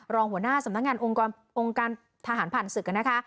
รองหัวหน้าสำนักงานองค์การทหารผ่านศึกนะคะ